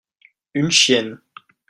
une chienne.